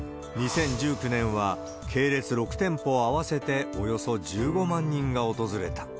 ２０１９年は、系列６店舗合わせておよそ１５万人が訪れた。